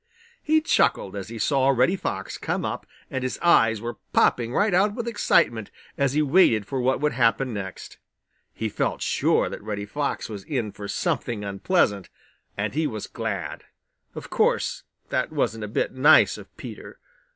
He chuckled as he saw Reddy Fox come up and his eyes were popping right out with excitement as he waited for what would happen next. He felt sure that Reddy Fox was in for something unpleasant, and he was glad. Of course, that wasn't a bit nice of Peter.